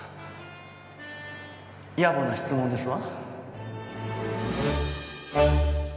野暮な質問ですわ。